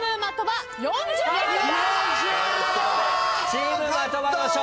チーム的場の勝利！